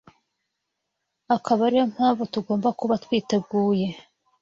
akaba ariyo mpamvu tugomba kuba twiteguye